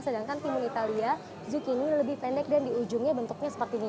sedangkan timun italia zukini lebih pendek dan di ujungnya bentuknya seperti ini